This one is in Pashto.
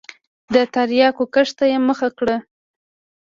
د تریاکو کښت ته یې مخه کړه.